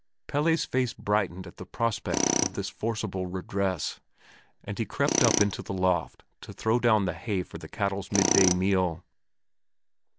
Pelle's face brightened at the prospect of this forcible redress, and he crept up into the loft to throw down the hay for the cattle's midday meal.